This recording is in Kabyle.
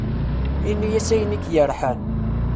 Ini-as ayen ik-yerḥan.